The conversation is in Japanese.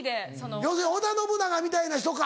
要するに織田信長みたいな人か。